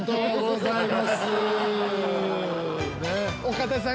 岡田さん